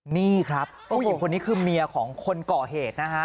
นี่ครับผู้หญิงคนนี้คือเมียของคนก่อเหตุนะฮะ